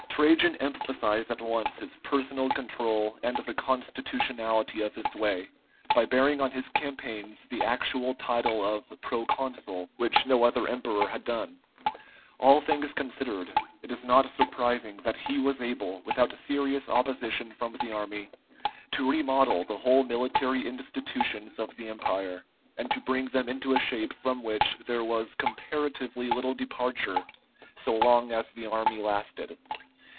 Trajan emphasized at once his personal control and the constitutionality of his sway, by bearing on his campaigns the actual title of "proconsul," which no other emperor had done. All things considered, it is not surprising that he was able, without serious opposition from the army, to remodel the whole military institutions of the empire, and to bring them into a shape from which there was comparatively little departure so long as the army lasted.